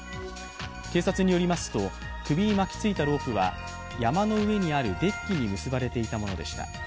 警察によりますと、首に巻きついたロープは山の上にあるデッキに結ばれていたものでした。